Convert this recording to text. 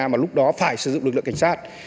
mà lúc đó phải sử dụng lực lượng cảnh sát